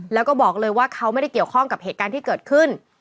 แล้วก็บอกเลยว่าเขาไม่ได้เกี่ยวข้องกับเหตุการณ์ที่เกิดขึ้น